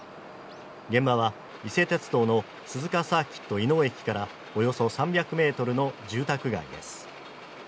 現場は伊勢鉄道の鈴鹿サーキット稲生駅からおよそ３００メートルの住宅街です